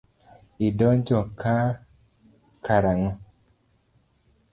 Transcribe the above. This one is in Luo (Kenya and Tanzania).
Idonjo ka karang'o.